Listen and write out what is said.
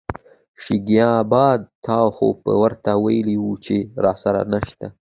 شکيبا : تا خو به ورته وويلي وو چې راسره نشته.